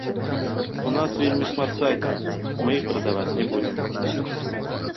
У нас вельмі шмат сайтаў, мы іх прадаваць не будзем.